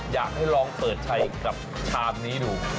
อยากให้ลองเปิดใช้กับชามนี้ดู